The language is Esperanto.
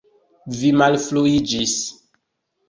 Vi malfruiĝis!